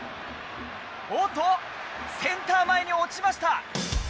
おっと、センター前に落ちました。